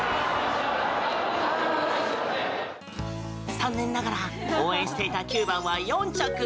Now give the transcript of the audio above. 残念ながら応援していた９番は４着。